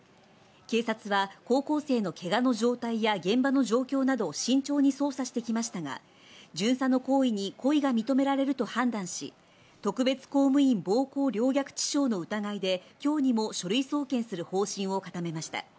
警察は高校生のけがの状態や、現場の状況などを慎重に捜査してきましたが、巡査の行為に故意が認められると判断し、特別公務員暴行陵虐致傷の疑いで今日にも書類送検する方針を固めました。